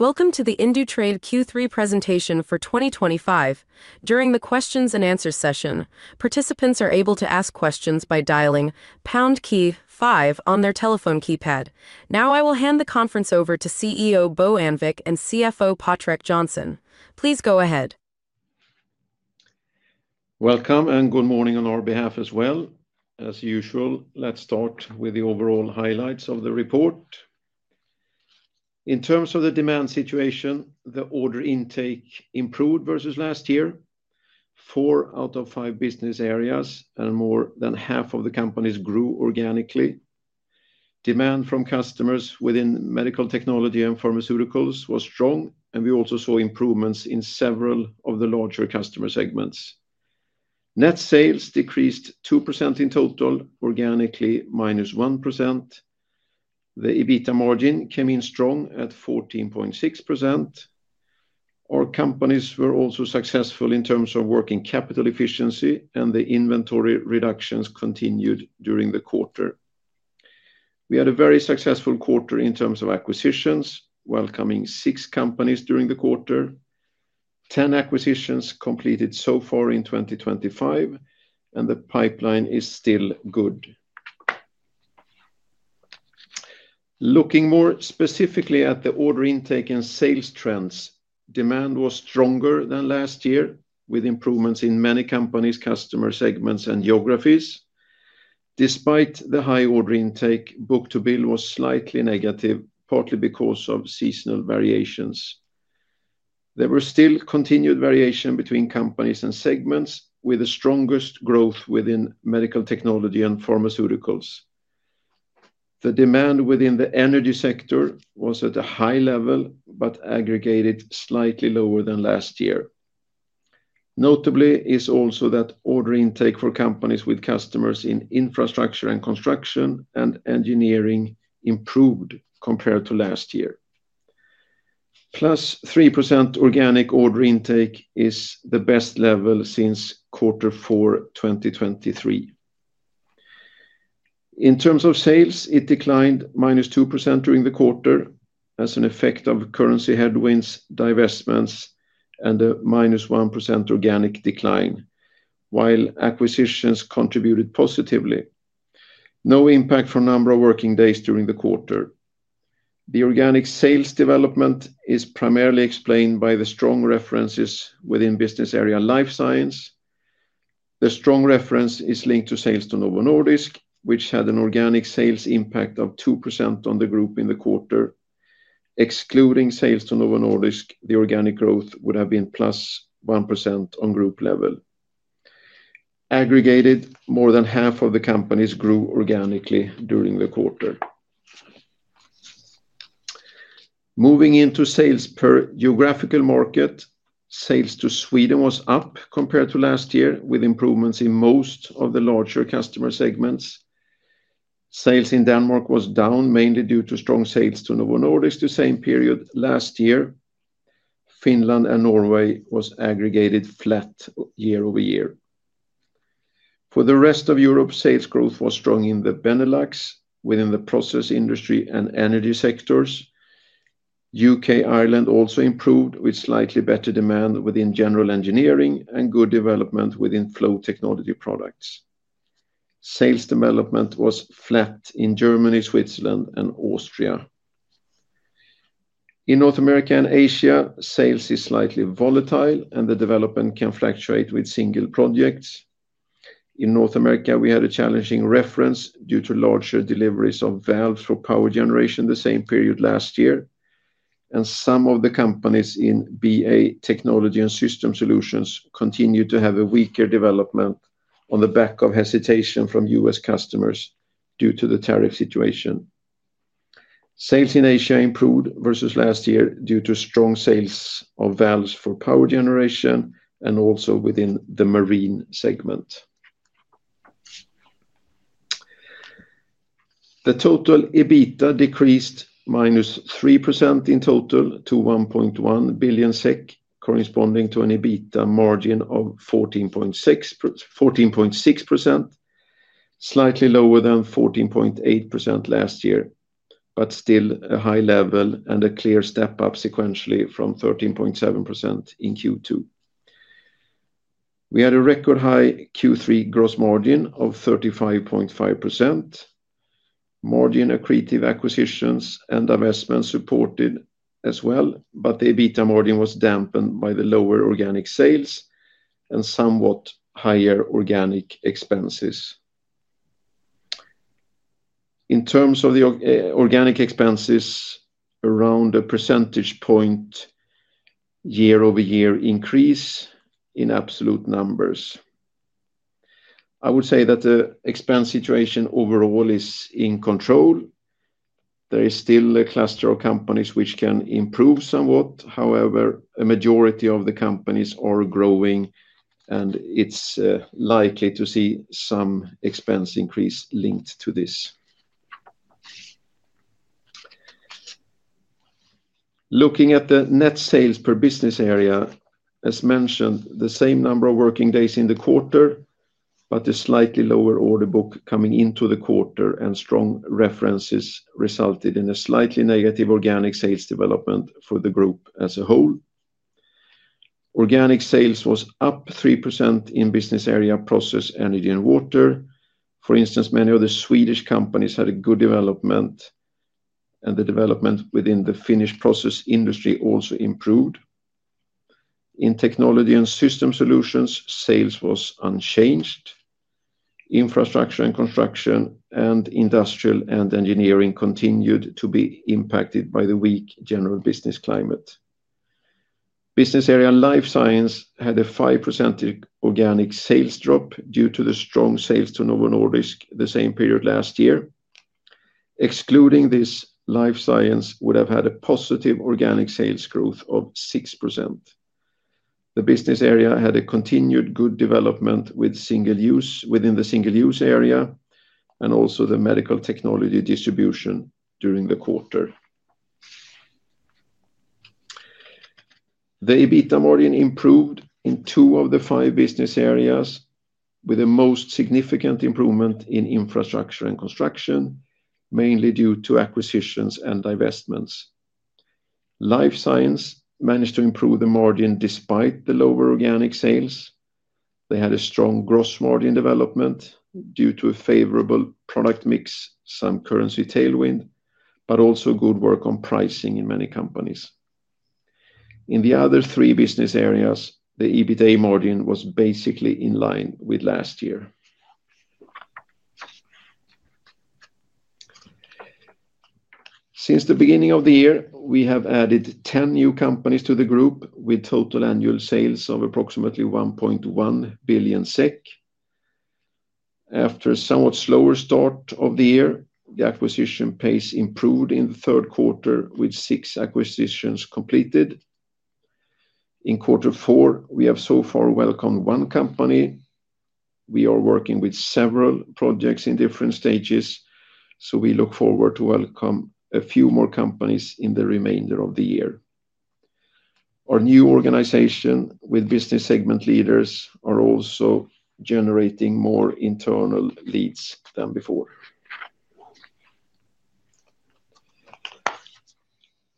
Welcome to the Indutrade Q3 presentation for 2025. During the questions and answers session, participants are able to ask questions by dialing star five on their telephone keypad. Now, I will hand the conference over to CEO Bo Annvik and CFO Patrik Johnson. Please go ahead. Welcome and good morning on our behalf as well. As usual, let's start with the overall highlights of the report. In terms of the demand situation, the order intake improved versus last year. Four out of five business areas and more than half of the companies grew organically. Demand from customers within medical technology and pharmaceuticals was strong, and we also saw improvements in several of the larger customer segments. Net sales decreased 2% in total, organically -1%. The EBITDA margin came in strong at 14.6%. Our companies were also successful in terms of working capital efficiency, and the inventory reductions continued during the quarter. We had a very successful quarter in terms of acquisitions, welcoming six companies during the quarter. Ten acquisitions completed so far in 2025, and the pipeline is still good. Looking more specifically at the order intake and sales trends, demand was stronger than last year, with improvements in many companies, customer segments, and geographies. Despite the high order intake, book-to-bill was slightly negative, partly because of seasonal variations. There was still continued variation between companies and segments, with the strongest growth within medical technology and pharmaceuticals. The demand within the energy sector was at a high level, but aggregated slightly lower than last year. Notably is also that order intake for companies with customers in infrastructure and construction and engineering improved compared to last year. +3% organic order intake is the best level since quarter four 2023. In terms of sales, it declined -2% during the quarter as an effect of currency headwinds, divestments, and the -1% organic decline, while acquisitions contributed positively. No impact from number of working days during the quarter. The organic sales development is primarily explained by the strong references within business area life science. The strong reference is linked to sales to Novo Nordisk, which had an organic sales impact of 2% on the group in the quarter. Excluding sales to Novo Nordisk, the organic growth would have been +1% on group level. Aggregated, more than half of the companies grew organically during the quarter. Moving into sales per geographical market, sales to Sweden was up compared to last year, with improvements in most of the larger customer segments. Sales in Denmark were down, mainly due to strong sales to Novo Nordisk, the same period last year. Finland and Norway were aggregated flat year-over-year. For the rest of Europe, sales growth was strong in the Benelux, within the process industry and energy sectors. U.K. and Ireland also improved with slightly better demand within general engineering and good development within flow technology products. Sales development was flat in Germany, Switzerland, and Austria. In North America and Asia, sales are slightly volatile, and the development can fluctuate with single projects. In North America, we had a challenging reference due to larger deliveries of valves for power generation the same period last year, and some of the companies in BA Technology & System Solutions continue to have a weaker development on the back of hesitation from U.S. customers due to the tariff situation. Sales in Asia improved versus last year due to strong sales of valves for power generation and also within the marine segment. The total EBITDA decreased -3% in total to 1.1 billion SEK, corresponding to an EBITDA margin of 14.6%, slightly lower than 14.8% last year, but still a high level and a clear step up sequentially from 13.7% in Q2. We had a record high Q3 gross margin of 35.5%. Margin-accretive acquisitions and divestments supported as well, but the EBITDA margin was dampened by the lower organic sales and somewhat higher organic expenses. In terms of the organic expenses, around a percentage point year-over-year increase in absolute numbers. I would say that the expense situation overall is in control. There is still a cluster of companies which can improve somewhat; however, a majority of the companies are growing, and it's likely to see some expense increase linked to this. Looking at the net sales per business area, as mentioned, the same number of working days in the quarter, but a slightly lower order book coming into the quarter, and strong references resulted in a slightly negative organic sales development for the group as a whole. Organic sales were up 3% in business area process, energy, and water. For instance, many of the Swedish companies had a good development, and the development within the Finnish process industry also improved. In technology and system solutions, sales were unchanged. Infrastructure and construction and industrial and engineering continued to be impacted by the weak general business climate. Business area life science had a 5% organic sales drop due to the strong sales to Novo Nordisk the same period last year. Excluding this, life science would have had a positive organic sales growth of 6%. The business area had a continued good development with single use within the single use area and also the medical technology distribution during the quarter. The EBITDA margin improved in two of the five business areas, with the most significant improvement in infrastructure and construction, mainly due to acquisitions and divestments. Life science managed to improve the margin despite the lower organic sales. They had a strong gross margin development due to a favorable product mix, some currency tailwind, but also good work on pricing in many companies. In the other three business areas, the EBITDA margin was basically in line with last year. Since the beginning of the year, we have added ten new companies to the group, with total annual sales of approximately 1.1 billion SEK. After a somewhat slower start of the year, the acquisition pace improved in the third quarter, with six acquisitions completed. In quarter four, we have so far welcomed one company. We are working with several projects in different stages, so we look forward to welcome a few more companies in the remainder of the year. Our new organization with business segment leaders is also generating more internal leads than before.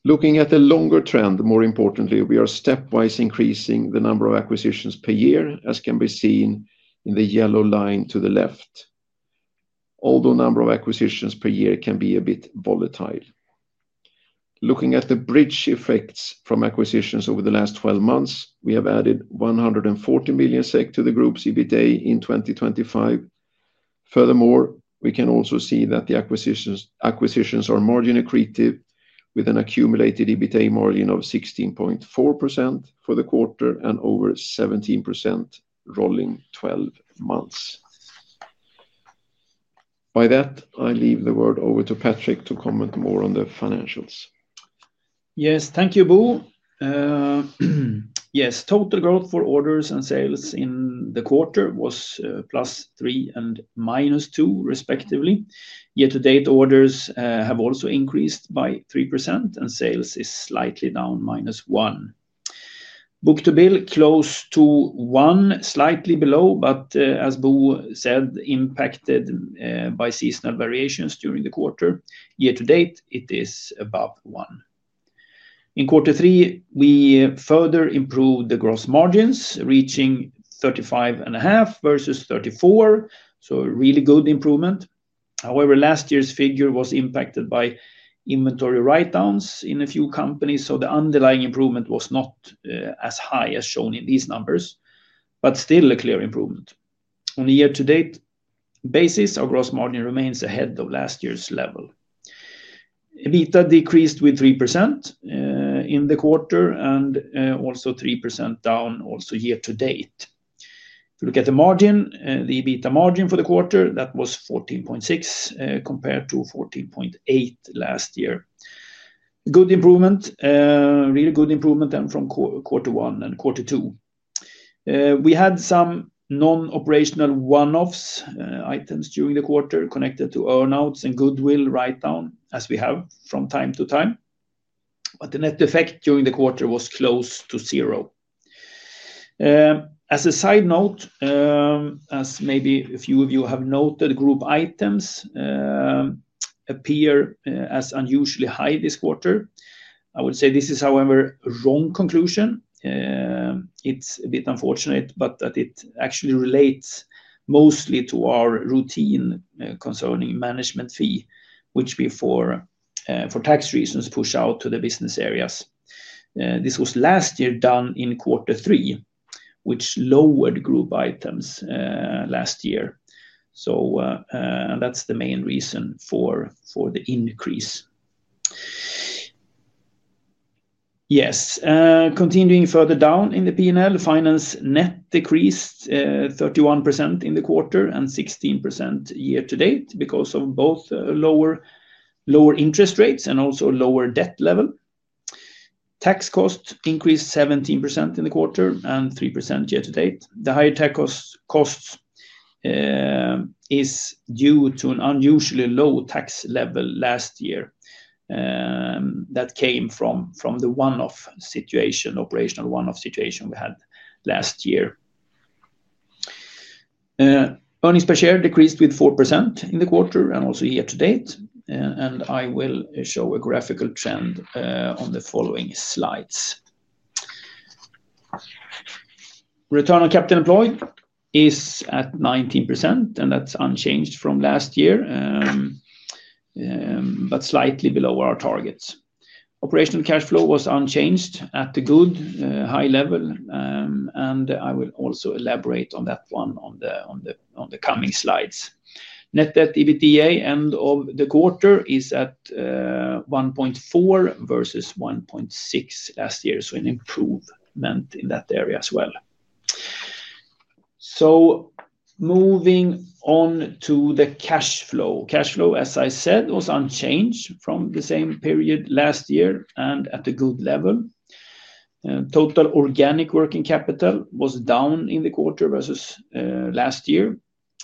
Looking at the longer trend, more importantly, we are stepwise increasing the number of acquisitions per year, as can be seen in the yellow line to the left, although the number of acquisitions per year can be a bit volatile. Looking at the bridge effects from acquisitions over the last 12 months, we have added 140 million SEK to the group's EBITDA in 2025. Furthermore, we can also see that the acquisitions are margin accretive, with an accumulated EBITDA margin of 16.4% for the quarter and over 17% rolling 12 months. By that, I leave the word over to Patrik to comment more on the financials. Yes, thank you, Bo. Yes, total growth for orders and sales in the quarter was +3% and -2%, respectively. Year-to-date orders have also increased by 3%, and sales are slightly down -1%. Book-to-bill closed to one, slightly below, but as Bo said, impacted by seasonal variations during the quarter. Year-to-date, it is above one. In quarter three, we further improved the gross margins, reaching 35.5% versus 34%, so a really good improvement. However, last year's figure was impacted by inventory write-downs in a few companies, so the underlying improvement was not as high as shown in these numbers, but still a clear improvement. On a year-to-date basis, our gross margin remains ahead of last year's level. EBITDA decreased with 3% in the quarter and also 3% down, also year-to-date. If you look at the margin, the EBITDA margin for the quarter, that was 14.6% compared to 14.8% last year. Good improvement, really good improvement from quarter one and quarter two. We had some non-operational one-off items during the quarter connected to earnouts and goodwill write-downs, as we have from time to time, but the net effect during the quarter was close to zero. As a side note, as maybe a few of you have noted, group items appear as unusually high this quarter. I would say this is, however, a wrong conclusion. It's a bit unfortunate, but it actually relates mostly to our routine concerning management fee, which for tax reasons push out to the business areas. This was last year done in quarter three, which lowered group items last year. That's the main reason for the increase. Yes, continuing further down in the P&L, finance net decreased 31% in the quarter and 16% year-to-date because of both lower interest rates and also lower debt level. Tax costs increased 17% in the quarter and 3% year-to-date. The higher tax costs are due to an unusually low tax level last year that came from the one-off situation, operational one-off situation we had last year. Earnings per share decreased with 4% in the quarter and also year-to-date. I will show a graphical trend on the following slides. Return on capital employed is at 19%, and that's unchanged from last year, but slightly below our targets. Operational cash flow was unchanged at the good high level, and I will also elaborate on that one on the coming slides. Net debt/EBITDA end of the quarter is at 1.4x versus 1.6x last year, so an improvement in that area as well. Moving on to the cash flow. Cash flow, as I said, was unchanged from the same period last year and at a good level. Total organic working capital was down in the quarter versus last year,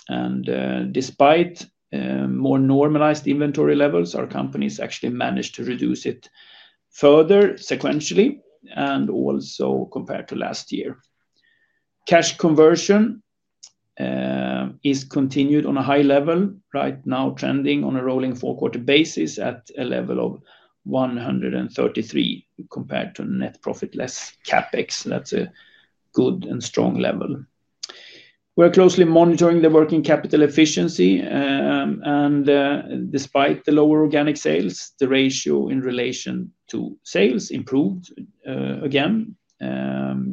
and despite more normalized inventory levels, our companies actually managed to reduce it further sequentially and also compared to last year. Cash conversion is continued on a high level, right now trending on a rolling four-quarter basis at a level of 133% compared to net profit less CapEx. That's a good and strong level. We're closely monitoring the working capital efficiency, and despite the lower organic sales, the ratio in relation to sales improved again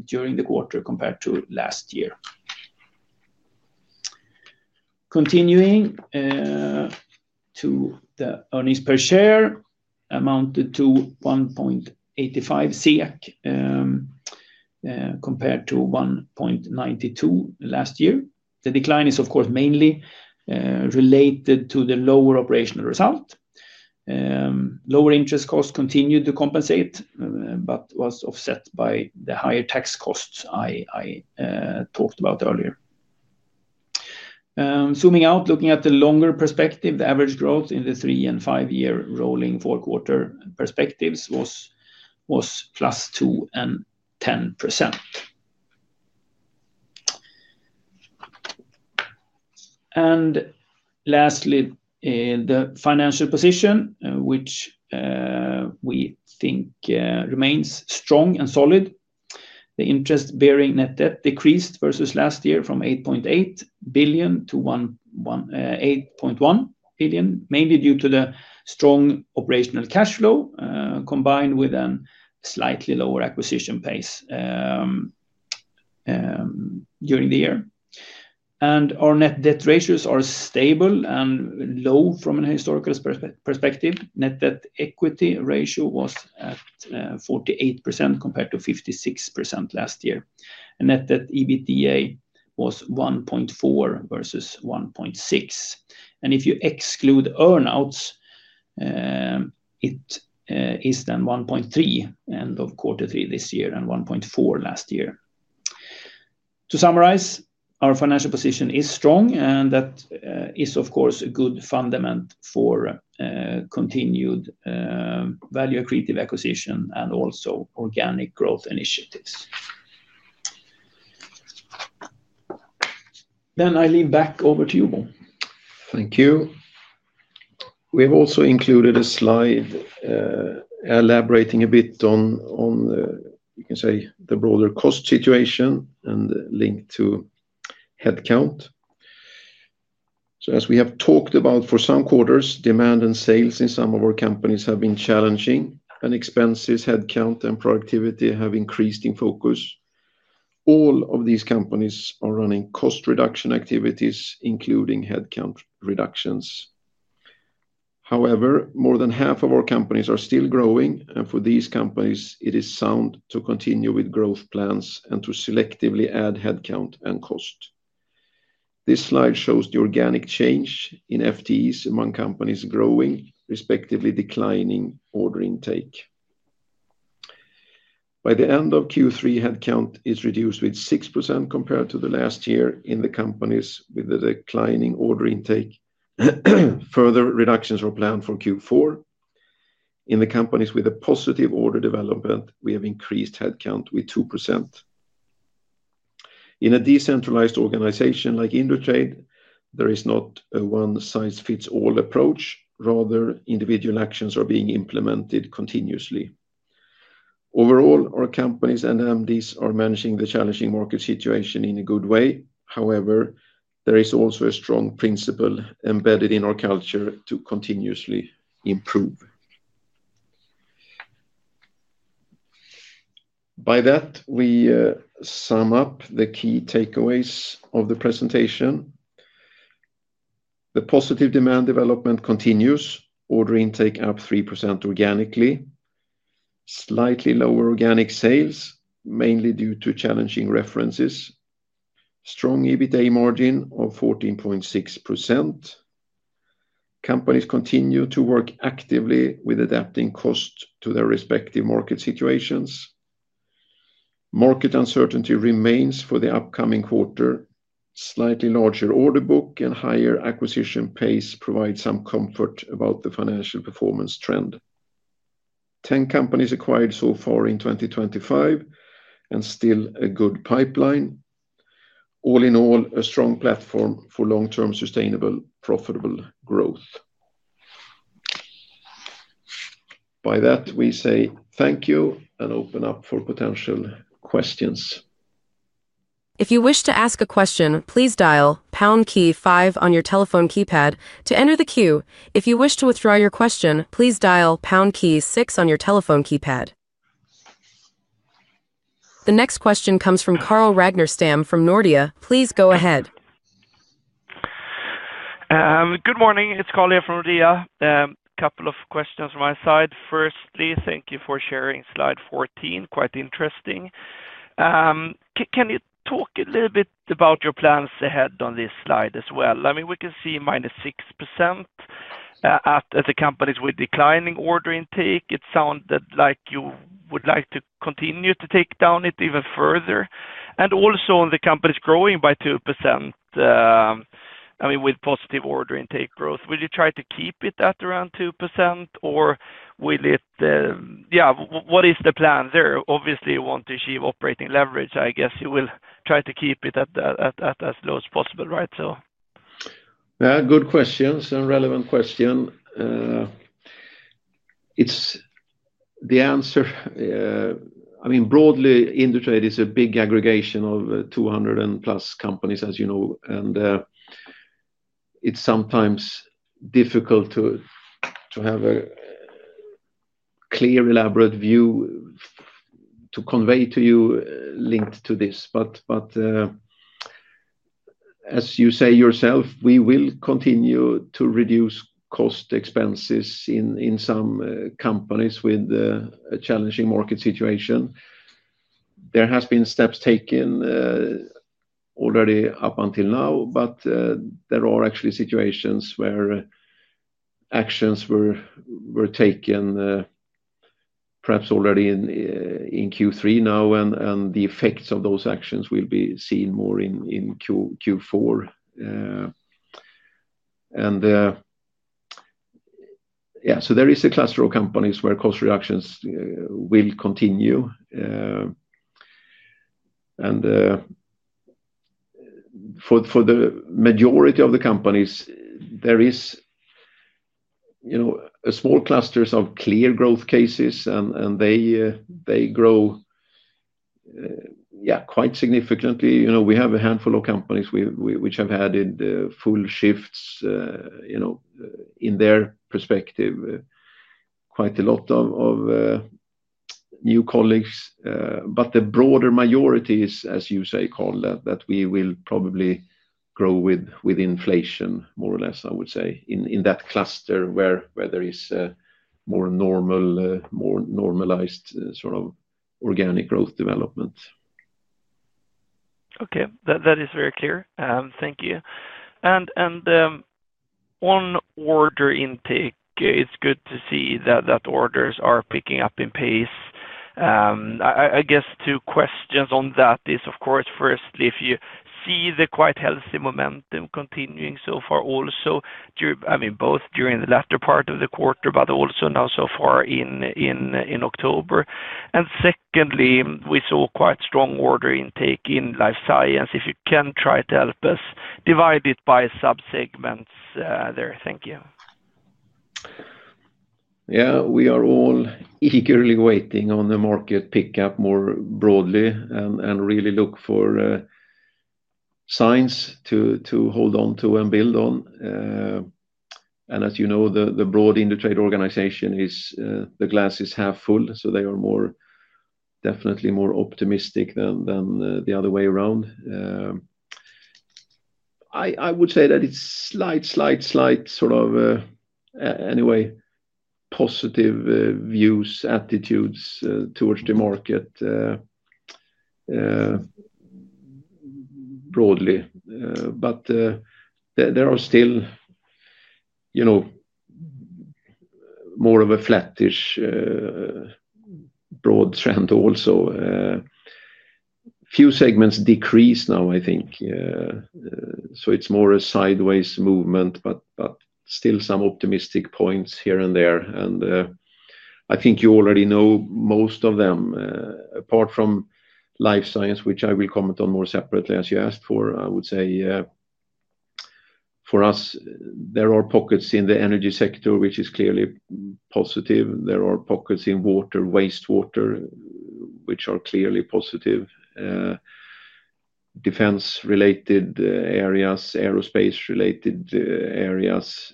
during the quarter compared to last year. Continuing to the earnings per share amounted to 1.85 compared to 1.92 last year. The decline is, of course, mainly related to the lower operational result. Lower interest costs continued to compensate, but was offset by the higher tax costs I talked about earlier. Zooming out, looking at the longer perspective, the average growth in the three and five-year rolling four-quarter perspectives was plus 2% and 10%. Lastly, the financial position, which we think remains strong and solid. The interest-bearing net debt decreased versus last year from 8.8 billion to 8.1 billion, mainly due to the strong operational cash flow combined with a slightly lower acquisition pace during the year. Our net debt ratios are stable and low from a historical perspective. Net debt/equity ratio was at 48% compared to 56% last year. Net debt/EBITDA was 1.4x versus 1.6x. If you exclude earnouts, it is then 1.3x end of quarter three this year and 1.4x last year. To summarize, our financial position is strong, and that is, of course, a good fundament for continued value accretive acquisition and also organic growth initiatives. I leave back over to you, Bo. Thank you. We have also included a slide elaborating a bit on, you can say, the broader cost situation and linked to headcount. As we have talked about for some quarters, demand and sales in some of our companies have been challenging, and expenses, headcount, and productivity have increased in focus. All of these companies are running cost reduction activities, including headcount reductions. However, more than half of our companies are still growing, and for these companies, it is sound to continue with growth plans and to selectively add headcount and cost. This slide shows the organic change in FTEs among companies growing, respectively declining order intake. By the end of Q3, headcount is reduced by 6% compared to last year in the companies with the declining order intake. Further reductions are planned for Q4. In the companies with a positive order development, we have increased headcount by 2%. In a decentralized organization like Indutrade, there is not a one-size-fits-all approach. Rather, individual actions are being implemented continuously. Overall, our companies and MDs are managing the challenging market situation in a good way. However, there is also a strong principle embedded in our culture to continuously improve. By that, we sum up the key takeaways of the presentation. The positive demand development continues, order intake up 3% organically, slightly lower organic sales, mainly due to challenging references, strong EBITDA margin of 14.6%. Companies continue to work actively with adapting costs to their respective market situations. Market uncertainty remains for the upcoming quarter. Slightly larger order book and higher acquisition pace provide some comfort about the financial performance trend. Ten companies acquired so far in 2025, and still a good pipeline. All in all, a strong platform for long-term sustainable, profitable growth. By that, we say thank you and open up for potential questions. If you wish to ask a question, please dial pound key five on your telephone keypad to enter the queue. If you wish to withdraw your question, please dial pound key six on your telephone keypad. The next question comes from Carl Ragnerstam from Nordea. Please go ahead. Good morning. It's Carl here from Nordea. A couple of questions from my side. Firstly, thank you for sharing slide 14. Quite interesting. Can you talk a little bit about your plans ahead on this slide as well? I mean, we can see -6% at the companies with declining order intake. It sounded like you would like to continue to take down it even further. Also, on the companies growing by 2%, I mean, with positive order intake growth, will you try to keep it at around 2% or will it, yeah, what is the plan there? Obviously, you want to achieve operating leverage. I guess you will try to keep it at as low as possible, right? Yeah, good question. It's an irrelevant question. The answer, I mean, broadly, Indutrade is a big aggregation of 200+ companies, as you know, and it's sometimes difficult to have a clear, elaborate view to convey to you linked to this. As you say yourself, we will continue to reduce cost expenses in some companies with a challenging market situation. There have been steps taken already up until now, but there are actually situations where actions were taken perhaps already in Q3 now, and the effects of those actions will be seen more in Q4. There is a cluster of companies where cost reductions will continue. For the majority of the companies, there are small clusters of clear growth cases, and they grow, yeah, quite significantly. We have a handful of companies which have added full shifts in their perspective, quite a lot of new colleagues. The broader majority is, as you say, Carl, that we will probably grow with inflation, more or less, I would say, in that cluster where there is more normalized sort of organic growth development. Okay. That is very clear. Thank you. On order intake, it's good to see that orders are picking up in pace. I guess two questions on that. Firstly, if you see the quite healthy momentum continuing so far, also, I mean, both during the latter part of the quarter, but also now so far in October. Secondly, we saw quite strong order intake in life science. If you can try to help us divide it by subsegments there. Thank you. Yeah, we are all eagerly waiting on the market pickup more broadly and really look for signs to hold on to and build on. As you know, the Indutrade organization is the glass is half full, so they are definitely more optimistic than the other way around. I would say that it's slight, slight, slight sort of anyway positive views, attitudes towards the market broadly. There are still more of a flattish broad trend also. A few segments decrease now, I think. It's more a sideways movement, but still some optimistic points here and there. I think you already know most of them. Apart from life science, which I will comment on more separately as you asked for, I would say for us, there are pockets in the energy sector which are clearly positive. There are pockets in water, wastewater, which are clearly positive. Defense-related areas, aerospace-related areas.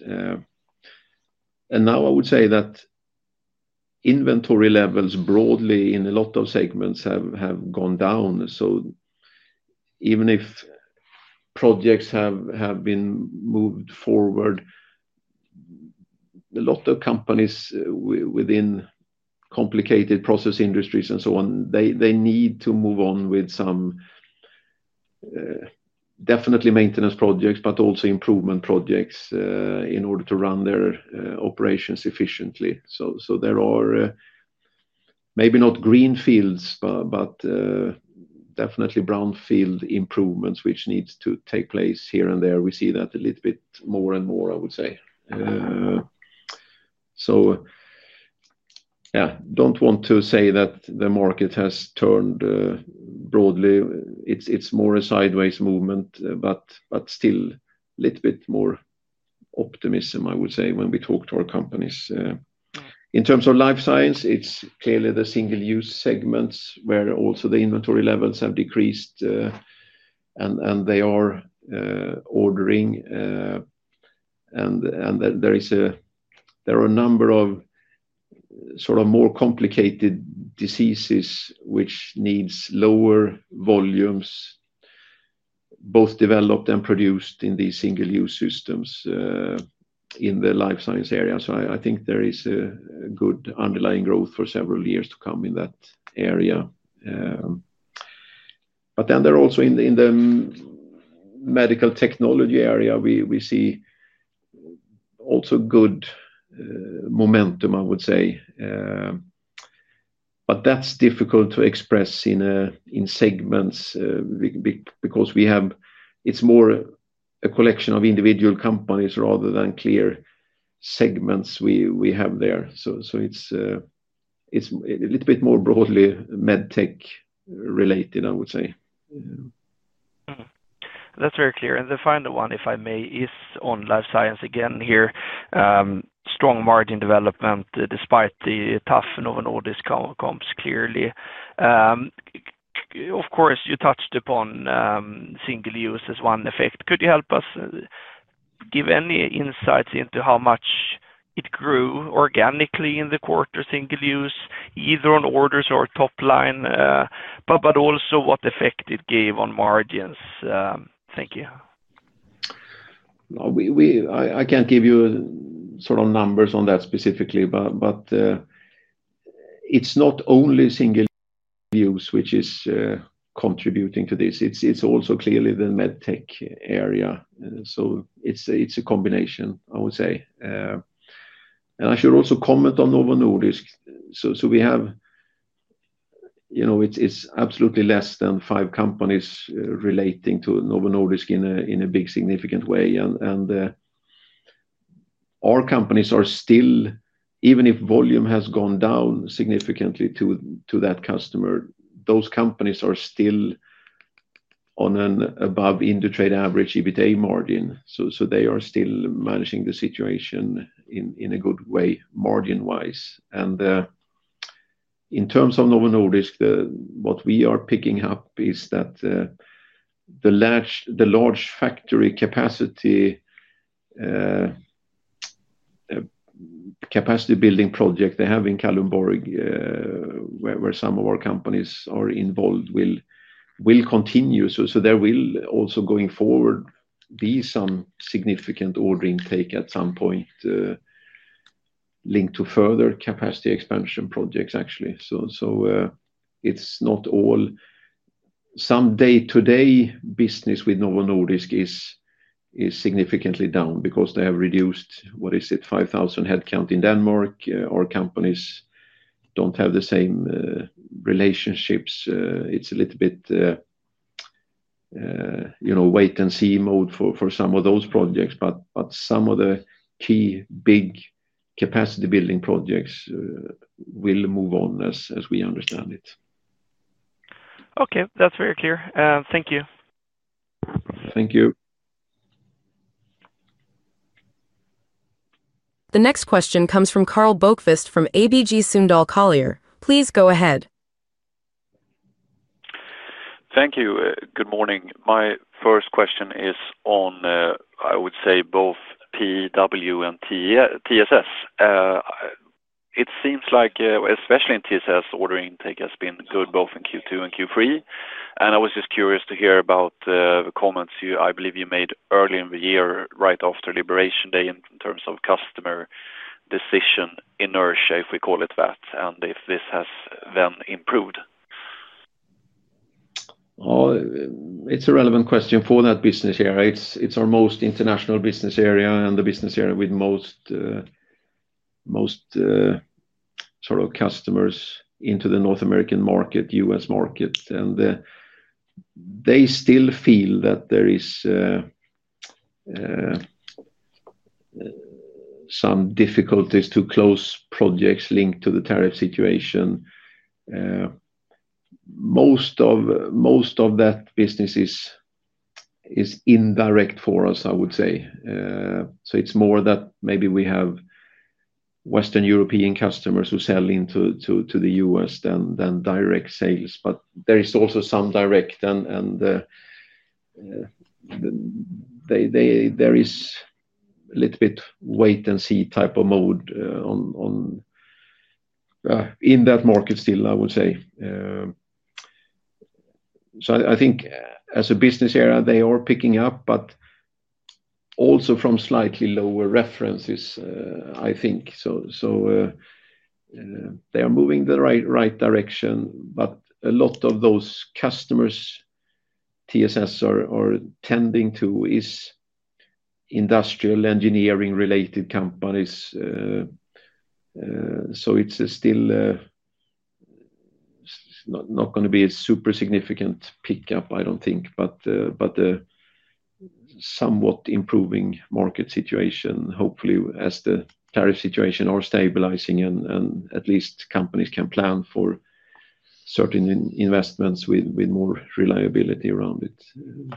I would say that inventory levels broadly in a lot of segments have gone down. Even if projects have been moved forward, a lot of companies within complicated process industries and so on, they need to move on with some definitely maintenance projects, but also improvement projects in order to run their operations efficiently. There are maybe not greenfields, but definitely brownfield improvements which need to take place here and there. We see that a little bit more and more, I would say. I don't want to say that the market has turned broadly. It's more a sideways movement, but still a little bit more optimism, I would say, when we talk to our companies. In terms of life science, it's clearly the single-use segments where also the inventory levels have decreased, and they are ordering. There are a number of sort of more complicated diseases which need lower volumes, both developed and produced in these single-use systems in the life science area. I think there is a good underlying growth for several years to come in that area. Then there are also in the medical technology area, we see also good momentum, I would say. That's difficult to express in segments because it's more a collection of individual companies rather than clear segments we have there. It's a little bit more broadly medtech-related, I would say. That's very clear. The final one, if I may, is on life science again here. Strong margin development despite the tough Novo Nordisk comps, clearly. Of course, you touched upon single use as one effect. Could you help us give any insights into how much it grew organically in the quarter, single use, either on orders or top line, but also what effect it gave on margins? Thank you. I can't give you sort of numbers on that specifically, but it's not only single use, which is contributing to this. It's also clearly the medtech area. It's a combination, I would say. I should also comment on Novo Nordisk. We have, you know, it's absolutely less than five companies relating to Novo Nordisk in a big, significant way. Our companies are still, even if volume has gone down significantly to that customer, those companies are still on an above Indutrade average EBITDA margin. They are still managing the situation in a good way, margin-wise. In terms of Novo Nordisk, what we are picking up is that the large factory capacity building project they have in Kalundborg, where some of our companies are involved, will continue. There will also, going forward, be some significant order intake at some point linked to further capacity expansion projects, actually. It's not all. Some day-to-day business with Novo Nordisk is significantly down because they have reduced, what is it, 5,000 headcount in Denmark. Our companies don't have the same relationships. It's a little bit, you know, wait-and-see mode for some of those projects. Some of the key big capacity building projects will move on as we understand it. Okay. That's very clear. Thank you. Thank you. The next question comes from Karl Bokvist from ABG Sundal Collier. Please go ahead. Thank you. Good morning. My first question is on, I would say, both PW and TSS. It seems like, especially in TSS, order intake has been good both in Q2 and Q3. I was just curious to hear about the comments you, I believe, you made earlier in the year right after Liberation Day in terms of customer decision inertia, if we call it that, and if this has then improved. It's a relevant question for that business area. It's our most international business area and the business area with most sort of customers into the North American market, U.S. market. They still feel that there are some difficulties to close projects linked to the tariff situation. Most of that business is indirect for us, I would say. It's more that maybe we have Western European customers who sell into the U.S. than direct sales. There is also some direct, and there is a little bit wait-and-see type of mode in that market still, I would say. I think as a business area, they are picking up, but also from slightly lower references, I think. They are moving in the right direction. A lot of those customers TSS are tending to are industrial engineering-related companies. It's still not going to be a super significant pickup, I don't think, but a somewhat improving market situation. Hopefully, as the tariff situation is stabilizing and at least companies can plan for certain investments with more reliability around it.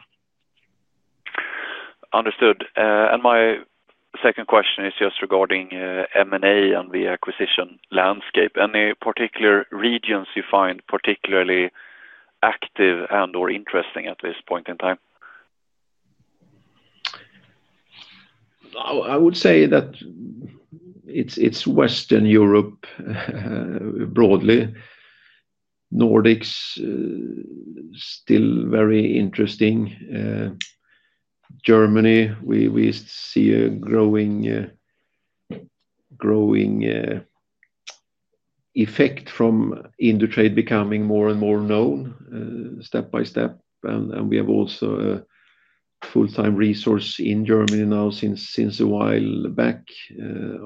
Understood. My second question is just regarding M&A and the acquisition landscape. Any particular regions you find particularly active and/or interesting at this point in time? I would say that it's Western Europe broadly. Nordics is still very interesting. Germany, we see a growing effect from Indutrade becoming more and more known step by step. We have also a full-time resource in Germany now since a while back.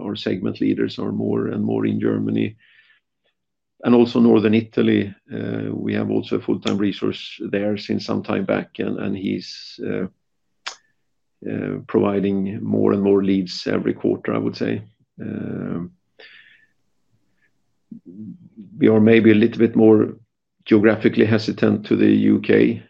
Our segment leaders are more and more in Germany. Also, Northern Italy, we have a full-time resource there since some time back, and he's providing more and more leads every quarter, I would say. We are maybe a little bit more geographically hesitant to the U.K.,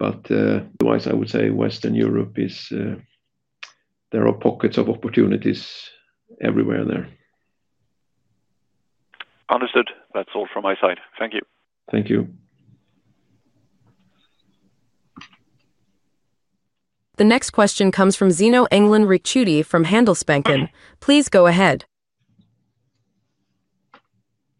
but otherwise, I would say Western Europe is, there are pockets of opportunities everywhere there. Understood. That's all from my side. Thank you. Thank you. The next question comes from Zino Engdalen Ricciuti from Handelsbanken. Please go ahead.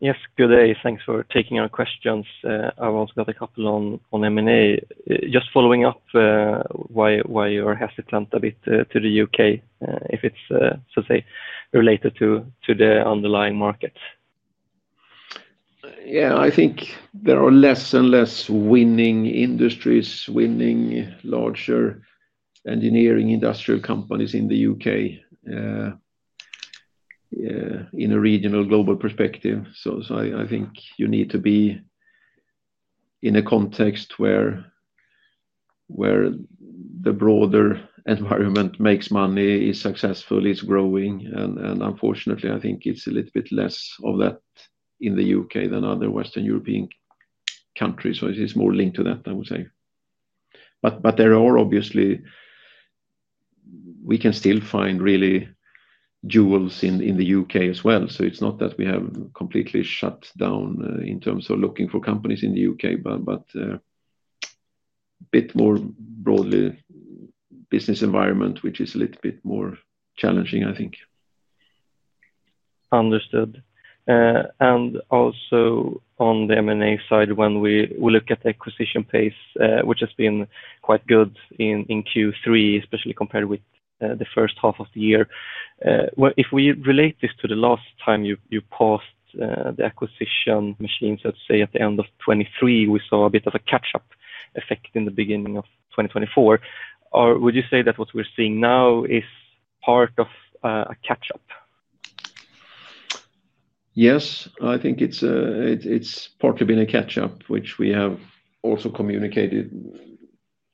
Yes, good day. Thanks for taking our questions. I've also got a couple on M&A. Just following up, why you are hesitant a bit to the U.K. if it's, so to say, related to the underlying markets? I think there are less and less winning industries, winning larger engineering industrial companies in the U.K. in a regional global perspective. I think you need to be in a context where the broader environment makes money, is successful, is growing. Unfortunately, I think it's a little bit less of that in the U.K. than other Western European countries. It is more linked to that, I would say. There are obviously, we can still find really jewels in the U.K. as well. It's not that we have completely shut down in terms of looking for companies in the U.K., but a bit more broadly business environment, which is a little bit more challenging, I think. Understood. Also, on the M&A side, when we look at the acquisition pace, which has been quite good in Q3, especially compared with the first half of the year, if we relate this to the last time you passed the acquisition machines, let's say at the end of 2023, we saw a bit of a catch-up effect in the beginning of 2024. Would you say that what we're seeing now is part of a catch-up? Yes, I think it's partly been a catch-up, which we have also communicated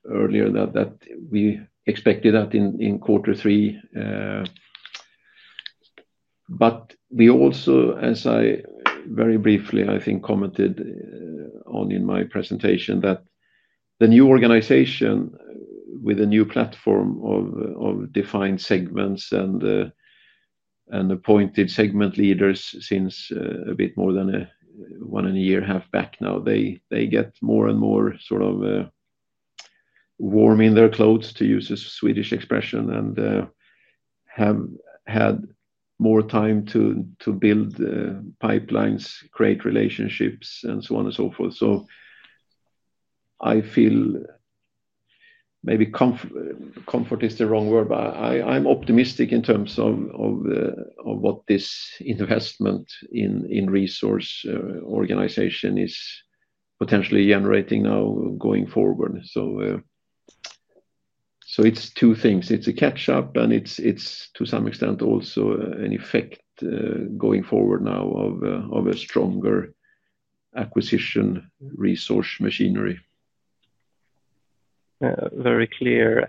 earlier that we expected that in quarter three. I very briefly, I think, commented on in my presentation that the new organization with a new platform of defined segments and appointed segment leaders since a bit more than one and a half years back now, they get more and more sort of warm in their clothes, to use a Swedish expression, and have had more time to build pipelines, create relationships, and so on and so forth. I feel maybe comfort is the wrong word, but I'm optimistic in terms of what this investment in resource organization is potentially generating now going forward. It's two things. It's a catch-up, and it's, to some extent, also an effect going forward now of a stronger acquisition resource machinery. Very clear.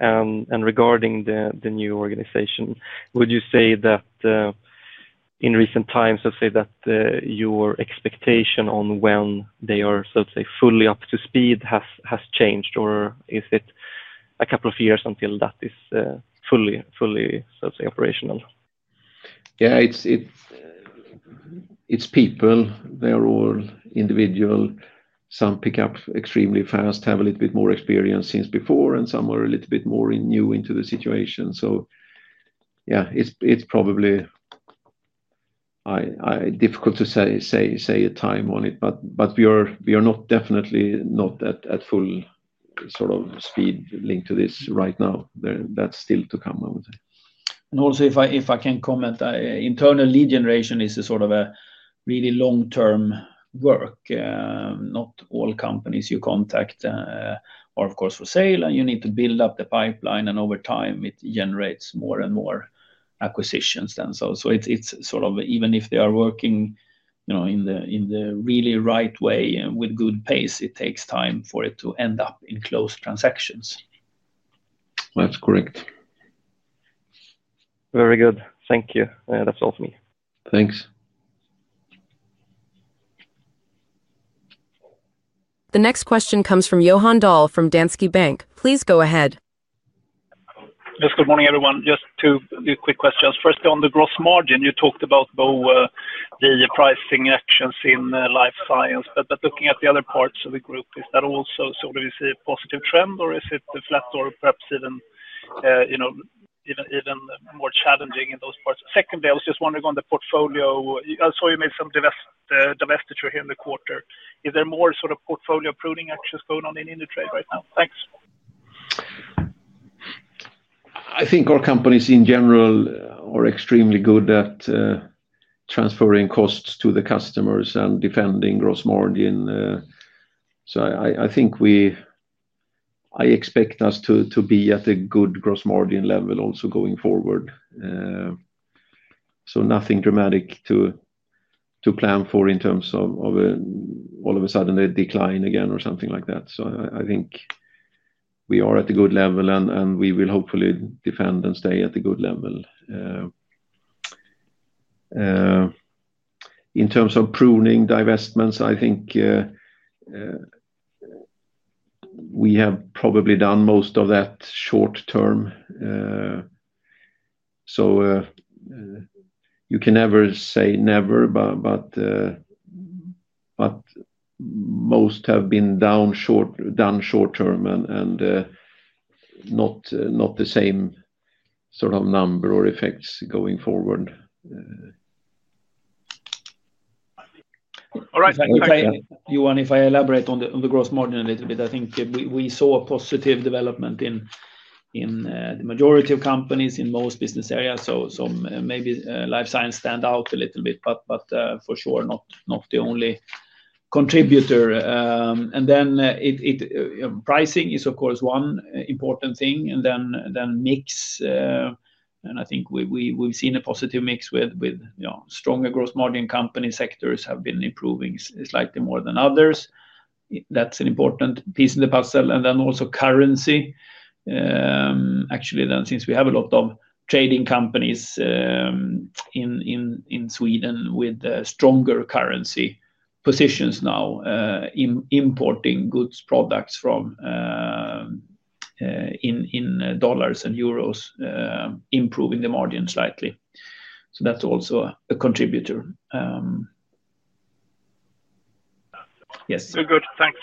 Regarding the new organization, would you say that in recent times, let's say that your expectation on when they are, so to say, fully up to speed has changed, or is it a couple of years until that is fully, so to say, operational? Yeah, it's people. They are all individual. Some pick up extremely fast, have a little bit more experience since before, and some are a little bit more new into the situation. It's probably difficult to say a time on it, but we are definitely not at full sort of speed linked to this right now. That's still to come, I would say. If I can comment, internal lead generation is a sort of a really long-term work. Not all companies you contact are, of course, for sale, and you need to build up the pipeline. Over time, it generates more and more acquisitions then. It's sort of even if they are working in the really right way with good pace, it takes time for it to end up in closed transactions. That's correct. Very good. Thank you. That's all for me. Thanks. The next question comes from Johan Dahl from Danske Bank. Please go ahead. Yes, good morning, everyone. Just two quick questions. First, on the gross margin, you talked about, Bo, the pricing actions in life science. Looking at the other parts of the group, is that also sort of a positive trend, or is it flat or perhaps even more challenging in those parts? Secondly, I was just wondering on the portfolio. I saw you made some divestments here in the quarter. Is there more sort of portfolio pruning actions going on in Indutrade right now? Thanks. I think our companies in general are extremely good at transferring costs to the customers and defending gross margin. I expect us to be at a good gross margin level also going forward. Nothing dramatic to plan for in terms of all of a sudden a decline again or something like that. I think we are at a good level, and we will hopefully defend and stay at a good level. In terms of pruning divestments, I think we have probably done most of that short term. You can never say never, but most have been done short term and not the same sort of number or effects going forward. All right. Thank you. If I elaborate on the gross margin a little bit, I think we saw a positive development in the majority of companies in most business areas. Maybe life science stands out a little bit, but for sure not the only contributor. Pricing is, of course, one important thing. Mix, and I think we've seen a positive mix with stronger gross margin company sectors have been improving slightly more than others. That's an important piece of the puzzle. Also, currency. Actually, since we have a lot of trading companies in Sweden with stronger currency positions now, importing goods products in dollars and euros, improving the margin slightly. That's also a contributor. Yes. Very good. Thanks.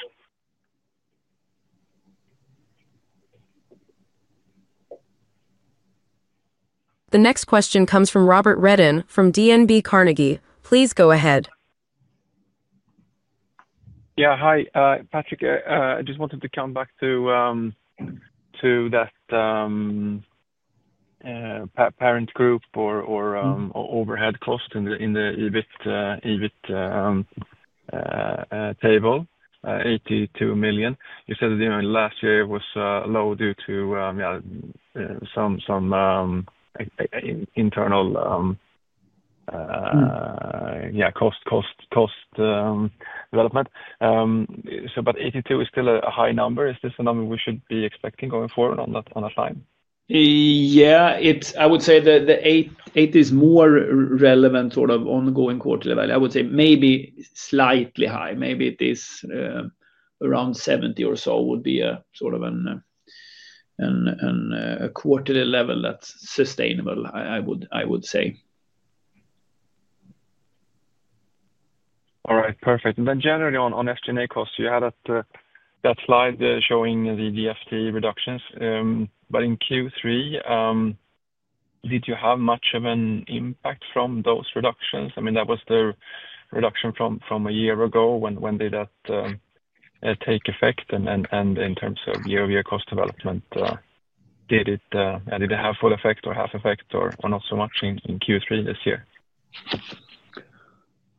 The next question comes from Robert Redin from DNB Carnegie. Please go ahead. Hi, Patrik, I just wanted to come back to that parent group or overhead cost in the EBIT table, 82 million. You said that last year it was low due to some internal cost development. 82 million is still a high number. Is this a number we should be expecting going forward on that line? Yeah, I would say that the 8 is more relevant, sort of ongoing quarterly value. I would say maybe slightly high. Maybe it is around 70 or so, would be a sort of a quarterly level that's sustainable, I would say. All right. Perfect. Generally on FT&A costs, you had that slide showing the FT reductions. In Q3, did you have much of an impact from those reductions? That was the reduction from a year ago. When did that take effect? In terms of year-over-year cost development, did it have full effect or half effect or not so much in Q3 this year?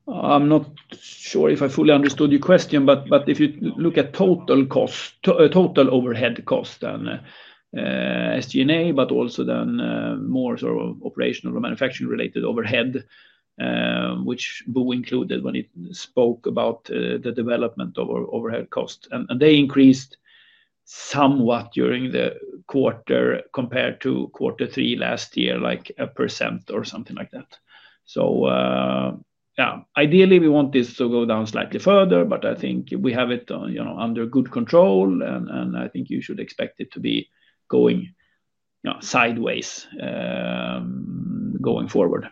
I'm not sure if I fully understood your question, but if you look at total cost, total overhead cost, and FT&A, but also more sort of operational or manufacturing-related overhead, which Bo included when he spoke about the development of overhead costs, they increased somewhat during the quarter compared to quarter three last year, like 1% or something like that. Ideally, we want this to go down slightly further, but I think we have it under good control, and I think you should expect it to be going sideways going forward.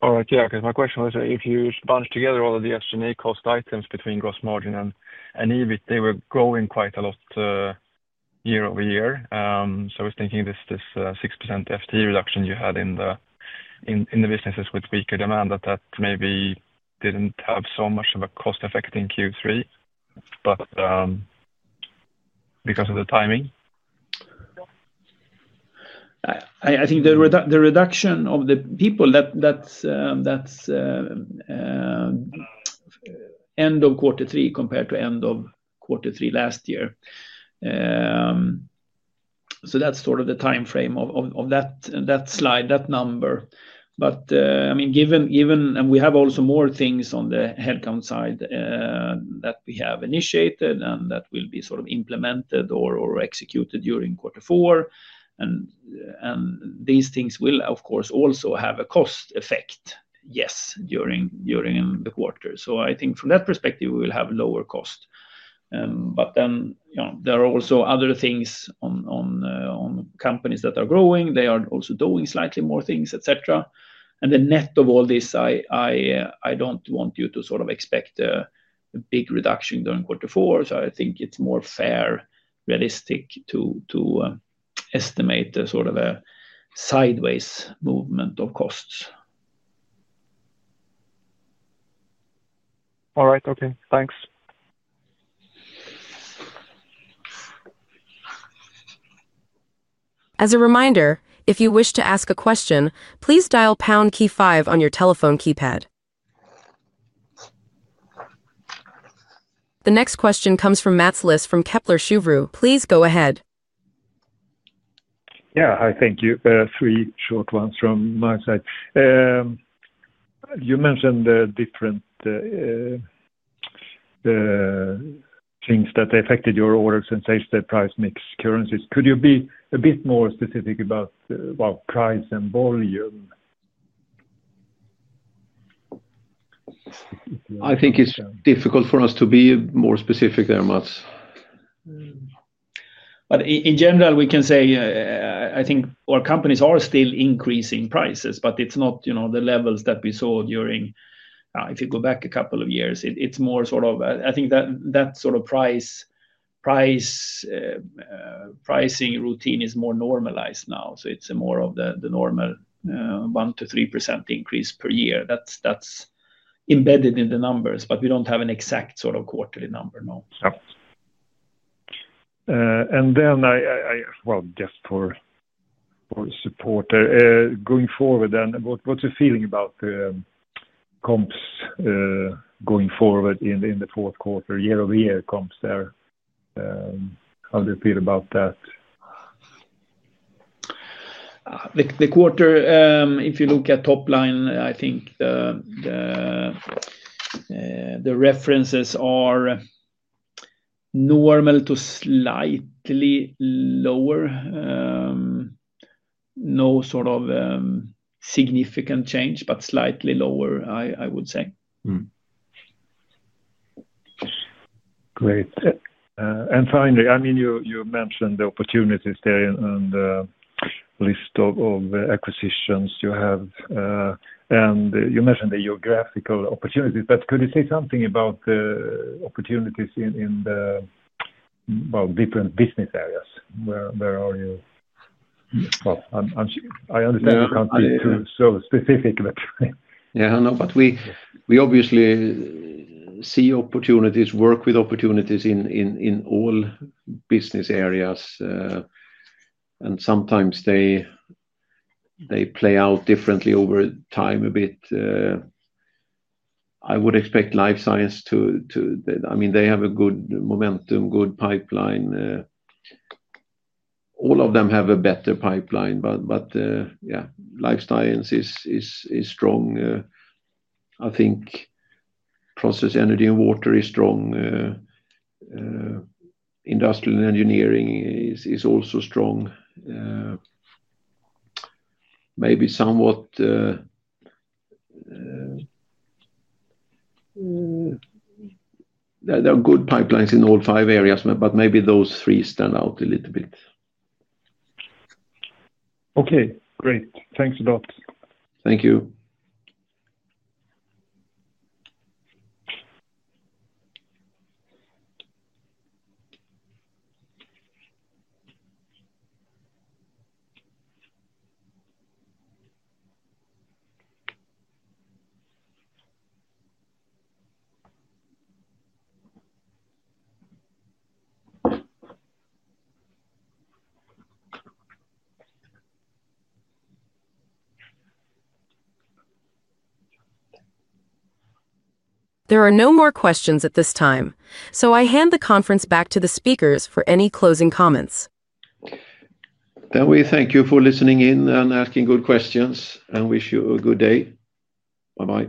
All right. Yeah, because my question was if you bunch together all of the FT&A cost items between gross margin and EBIT, they were growing quite a lot year-over-year. I was thinking this 6% FT reduction you had in the businesses with weaker demand, that maybe didn't have so much of a cost effect in Q3, but because of the timing. I think the reduction of the people, that's end of quarter three compared to end of quarter three last year. That's sort of the timeframe of that slide, that number. I mean, given we have also more things on the headcount side that we have initiated and that will be sort of implemented or executed during quarter four. These things will, of course, also have a cost effect, yes, during the quarter. I think from that perspective, we will have a lower cost. There are also other things on companies that are growing. They are also doing slightly more things, etc. The net of all this, I don't want you to sort of expect a big reduction during quarter four. I think it's more fair, realistic to estimate a sort of a sideways movement of costs. All right. Okay, thanks. As a reminder, if you wish to ask a question, please dial pound key five on your telephone keypad. The next question comes from Mats Liss from Kepler Cheuvreux. Please go ahead. Thank you. Three short ones from my side. You mentioned the different things that affected your order since I said price mix currencies. Could you be a bit more specific about price and volume? I think it's difficult for us to be more specific there, Mats. In general, we can say I think our companies are still increasing prices, but it's not the levels that we saw during, if you go back a couple of years. It's more sort of, I think that sort of pricing routine is more normalized now. It's more of the normal 1%-3% increase per year. That's embedded in the numbers, but we don't have an exact quarterly number, no. Just for support, going forward, what's your feeling about the comps going forward in the fourth quarter, year-over-year comps there? How do you feel about that? The quarter, if you look at top line, I think the references are normal to slightly lower. No sort of significant change, but slightly lower, I would say. Great. Finally, you mentioned the opportunities there and the list of acquisitions you have. You mentioned the geographical opportunities, but could you say something about the opportunities in the different business areas? Where are you? I understand you can't be too specific. I know, but we obviously see opportunities, work with opportunities in all business areas. Sometimes they play out differently over time a bit. I would expect life science to, I mean, they have good momentum, good pipeline. All of them have a better pipeline, but life science is strong. I think process energy and water is strong. Industrial engineering is also strong. Maybe somewhat there are good pipelines in all five areas, but maybe those three stand out a little bit. Okay. Great. Thanks a lot. Thank you. There are no more questions at this time. I hand the conference back to the speakers for any closing comments. We thank you for listening in and asking good questions, and wish you a good day. Bye-bye.